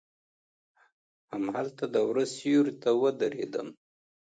هملته د وره سیوري ته ودریدم.